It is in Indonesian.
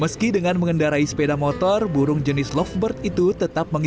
meski dengan mengendarai sepeda motor burung jenis lovebird ini juga tidak terlalu berguna